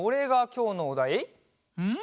うん！